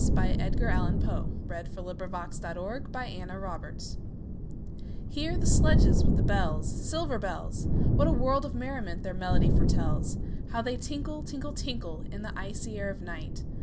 1912. Edgar Allan Poe 1809–1849 Edgar Allan Poe 88 The Bells HEAR the sledges with the bells, Silver bells! What a world of merriment their melody foretells! How they tinkle, tinkle, tinkle, In the icy air of night!